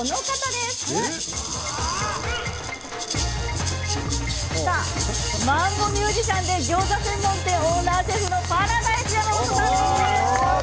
マンボマンボミュージシャンでギョーザ専門店オーナーシェフのパラダイス山元さんです。